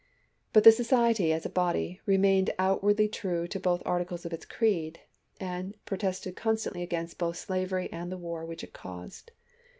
But the Society, as a body, remained out wardly true to both articles of its creed, and protested constantly against both slavery and the war which it caused.